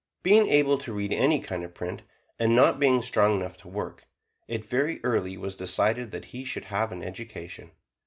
Being able to read any kind of print, and not being strong enough to work, it very early was decided that he should have an education.